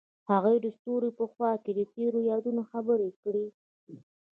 هغوی د ستوري په خوا کې تیرو یادونو خبرې کړې.